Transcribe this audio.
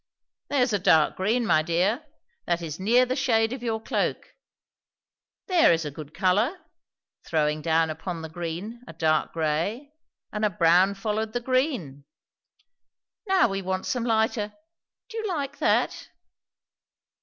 "There's a dark green, my dear; that is near the shade of your cloak. There is a good colour" throwing down upon the green a dark grey; and a brown followed the green. "Now we want some lighter do you like that?"